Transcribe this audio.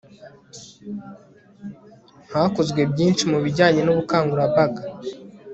hakozwe byinshi mu bijyanye n'ubukangurambaga